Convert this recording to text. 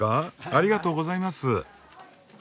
ありがとうございます。